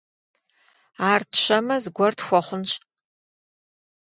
Ар тщэмэ, зыгуэр тхуэхъунщ.